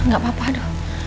gak apa apa aduh